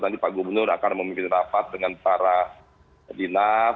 nanti pak gubernur akan memimpin rapat dengan para dinas